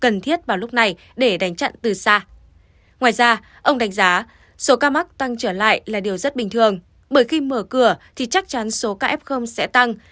ngoài ra ông đánh giá số ca mắc tăng trở lại là điều rất bình thường bởi khi mở cửa thì chắc chắn số ca f sẽ tăng